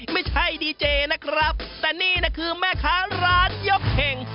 ไม่ใช่ดีเจนะครับแต่นี่นะคือแม่ค้าร้านยกเห่ง